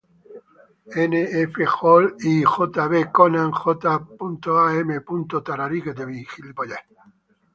N. F. Hall and J. B. Conant, J. Am.